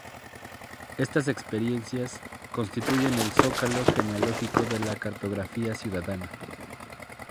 Estas experiencias constituyen el zócalo genealógico de la Cartografía Ciudadana.